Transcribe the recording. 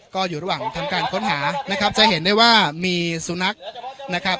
ก็อยู่ระหว่างทำการค้นหานะครับจะเห็นได้ว่ามีสุนัขนะครับ